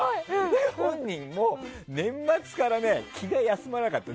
本人はもう年末から気が休まらなかったの。